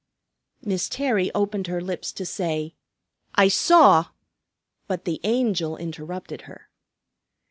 Miss Terry opened her lips to say, "I saw " but the Angel interrupted her.